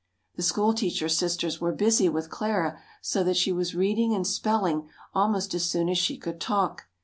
The school teacher sisters were busy with Clara so that she was reading and spelling almost as soon as she could talk.